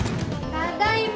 ただいま！